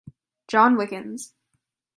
John Wickens.